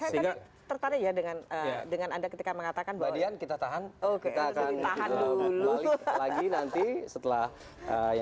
saya tertarik ya dengan anda ketika mengatakan bahwa